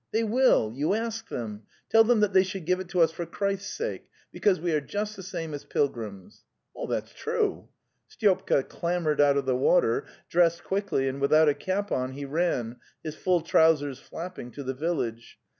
"They will, you ask them. 'Teli them that they should give it to us for Christ's sake, because we are just the same as pilgrims."' iyahatisierme: | Styopka clambered out of the water, dressed quickly, and without a cap on he ran, his full trousers flapping, to the village.